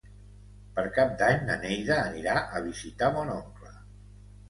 Per Cap d'Any na Neida anirà a visitar mon oncle.